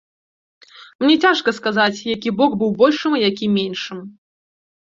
Мне цяжка сказаць, які бок быў большым, а які меншым.